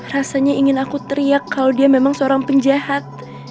rasanya ingin aku teriak kalau dia memang seorang penjahat